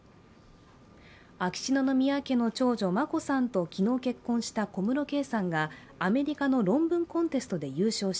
秋篠宮家の長女・眞子さんと昨日、結婚した小室圭さんがアメリカの論文コンテストで優勝し、